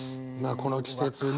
この季節ね。